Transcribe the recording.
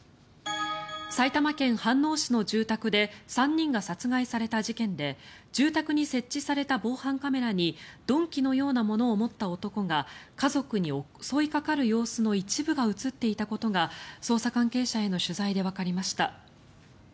埼玉県飯能市の住宅で３人が殺害された事件で住宅に設置された防犯カメラに鈍器のようなものを持った男が家族に襲いかかる様子の一部が映っていたことが捜査関係者への取材でわかりました。